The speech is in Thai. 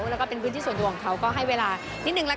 แล้วก็เป็นพื้นที่ส่วนตัวของเขาก็ให้เวลานิดนึงละกัน